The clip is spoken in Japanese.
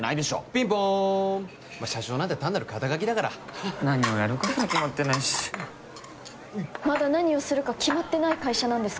ピンポーンまっ社長なんて単なる肩書だから何をやるかすら決まってないしまだ何をするか決まってない会社なんですか？